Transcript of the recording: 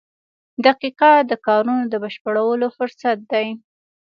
• دقیقه د کارونو د بشپړولو فرصت دی.